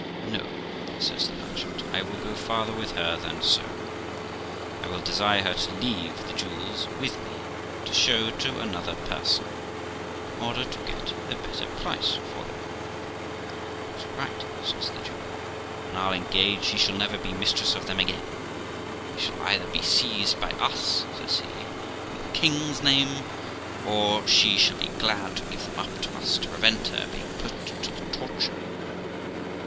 'No', says the merchant, 'I will go farther with her than so; I will desire her to leave the jewels with me, to show to another person, in order to get the better price for them.' 'That's right', says the Jew; 'and I'll engage she shall never be mistress of them again; they shall either be seized by us', says he, 'in the king's name, or she shall be glad to give them up to us to prevent her being put to the torture.'